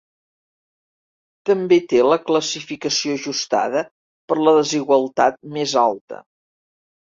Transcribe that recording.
També té la classificació ajustada per la desigualtat més alta.